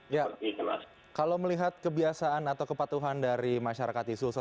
ya kalau melihat kebiasaan atau kepatuhan dari masyarakat di sulsel